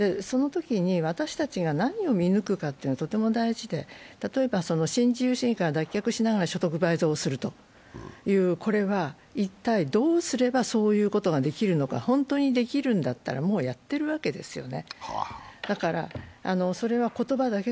そのときに私たちが何を見抜くかというのはとても大事で、例えば、新自由主義から脱却しながら所得倍増をするという、これは一体どうすればそういうことができるのか、本当にできるんだったらもうやってるわけですよね。